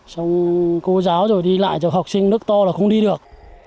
xong cô giáo rồi đi lại cho học sinh nước to là không đi được